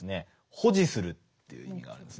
保持するという意味があるんですね。